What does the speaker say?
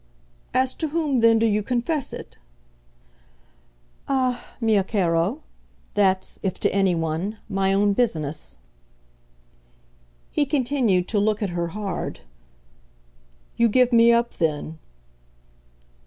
"As to whom then do you confess it?" "Ah, mio caro, that's if to anyone my own business!" He continued to look at her hard. "You give me up then?"